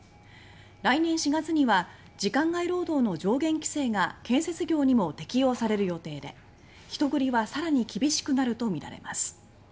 来年４月には時間外労働の上限規制が建設業にも適用される予定で人繰りは更に厳しくなるとみられます。